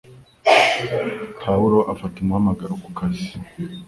Pawulo afata umuhamagaro ku kazi